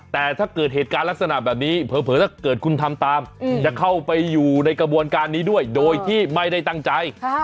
แต่ถ้าเกิดเหตุการณ์ลักษณะแบบนี้เผลอถ้าเกิดคุณทำตามจะเข้าไปอยู่ในกระบวนการนี้ด้วยโดยที่ไม่ได้ตั้งใจ